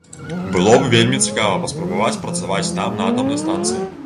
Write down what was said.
Было б вельмі цікава паспрабаваць працаваць там на атамнай станцыі.